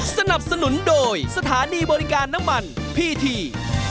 สนับสนุนโดยสถานีบริการน้ำมันพีที